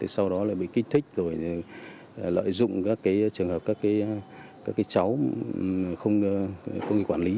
sau đó bị kích thích lợi dụng các trường hợp các cháu không có người quản lý